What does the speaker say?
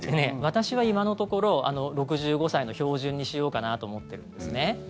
私は今のところ６５歳の標準にしようかなと思ってるんですね。